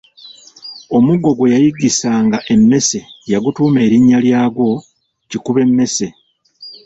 Omuggo gwe yayiggisanga emmese yagutuuma erinnya lyagwo Kikubemmese.